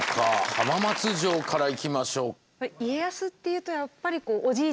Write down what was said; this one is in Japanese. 浜松城からいきましょう。